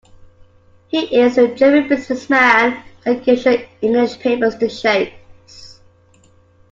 He is the German business man that gives your English papers the shakes.